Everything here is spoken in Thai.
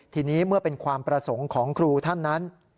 ทีนี้เมื่อเป็นความประสงค์ของครูท่านนั้น